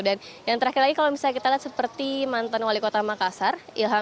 dan yang terakhir lagi kalau misalnya kita lihat seperti mantan wali kota makassar